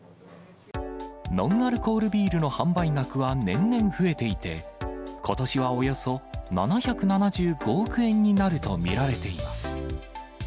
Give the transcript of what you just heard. ノンアルコールビールの販売額は年々増えていて、ことしはおよそ７７５億円になると見られています。